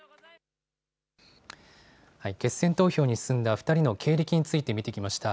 決選投票に進んだ２人の経歴について見てきました。